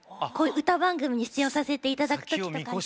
歌番組に出演をさせて頂く時とかに。